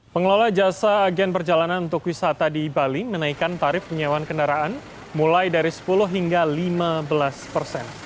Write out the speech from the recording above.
pengelola jasa agen perjalanan untuk wisata di bali menaikkan tarif penyewaan kendaraan mulai dari sepuluh hingga lima belas persen